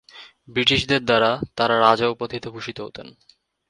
ব্রিটিশদের দ্বারা তারা রাজা উপাধিতে ভূষিত হতেন।